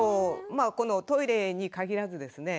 トイレに限らずですね